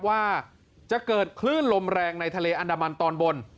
ว่าจะเกิดคลื่นลมแรงในทะเลอันดามันตอนบน